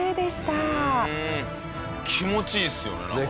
気持ちいいっすよねなんかね。